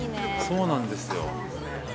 そうなんですよ。